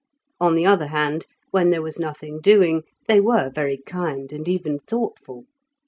On the other hand, when there was nothing doing, they were very kind and even thoughtful.